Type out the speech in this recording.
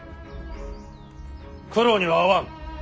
九郎には会わん。